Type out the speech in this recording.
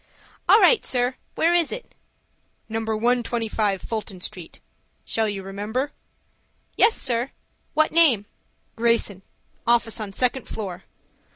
"All right, sir. Where is it?" "No. 125 Fulton Street. Shall you remember?" "Yes, sir. What name?" "Greyson,—office on second floor."